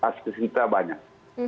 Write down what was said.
vaskes kita banyak